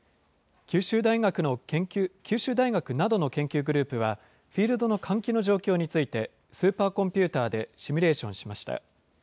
九州大学などの研究グループは、フィールドの換気の状況について、スーパーコンピューターでシミュレーションしました。